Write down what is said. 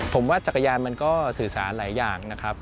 ผมว่าจักรยานมันก็สื่อสารหลายอย่างนะครับ